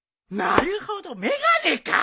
なるほど！